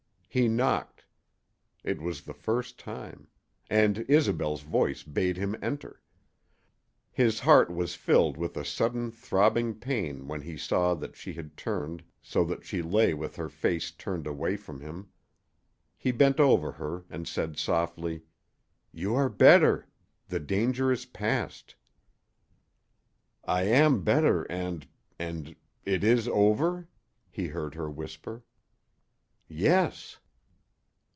He knocked. It was the first time. And Isobel's voice bade him enter. His heart was filled with a sudden throbbing pain when he saw that she had turned so that she lay with her face turned away from him. He bent over her and said, softly: "You are better. The danger is past." "I am better and and it is over?" he heard her whisper. "Yes."